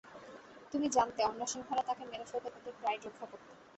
তুমি জানতে অন্য সিংহরা তাকে মেরে ফেলবে তাদের প্রাইড রক্ষা করতে।